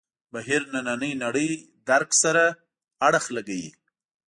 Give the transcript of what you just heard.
بهیر نننۍ نړۍ درک سره اړخ لګوي.